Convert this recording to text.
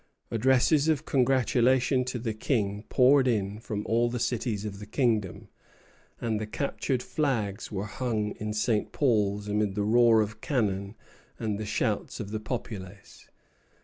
Addresses of congratulation to the King poured in from all the cities of the kingdom, and the captured flags were hung in St. Paul's amid the roar of cannon and the shouts of the populace.